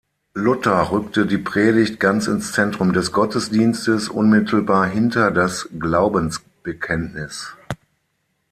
Luther rückte die Predigt ganz ins Zentrum des Gottesdienstes, unmittelbar hinter das Glaubensbekenntnis.